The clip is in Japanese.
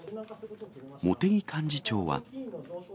茂木幹事長は。